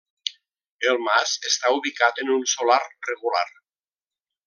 El mas està ubicat en un solar regular.